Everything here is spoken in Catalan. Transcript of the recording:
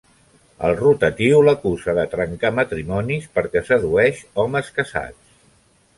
El rotatiu l'acusa de trencar matrimonis perquè sedueix homes casats.